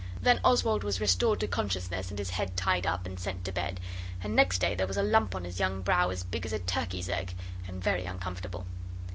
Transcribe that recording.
Then Oswald was restored to consciousness, and his head tied up, and sent to bed, and next day there was a lump on his young brow as big as a turkey's egg, and very uncomfortable.